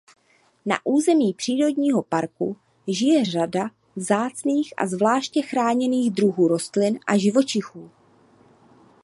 Na území přírodního parku žije řada vzácných a zvláště chráněných druhů rostlin a živočichů.